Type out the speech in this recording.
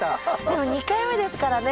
でも２回目ですからね